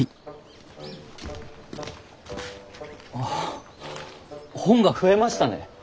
あ本が増えましたね。